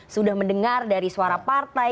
sudah mendengar dari suara partai